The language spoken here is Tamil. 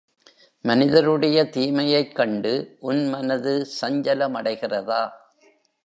மனிதருடைய தீமையைக் கண்டு உன் மனது சஞ்சலமடைகிறதா?